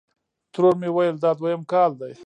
ترور مې ویل: دا دویم کال دی.